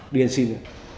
đi ăn xin